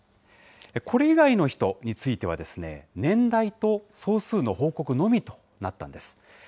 これ以外の人については、年代と総数の報告のみとなったんです。